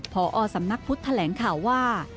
พอสำนักพุทธแถลงข่าวว่า